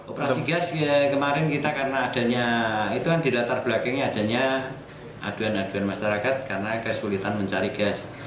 operasi gas kemarin kita karena adanya itu kan dilatar belakangnya adanya aduan aduan masyarakat karena kesulitan mencari gas